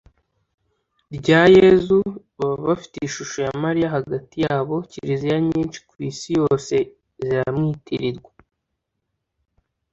rya yezu, baba bafite ishusho ya mariya hagati yabo. kiliziya nyinshi ku isi yose ziramwitirirwa